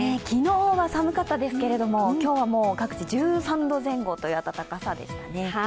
昨日は寒かったですけれども、今日は各地１３度前後という暖かさでしたね。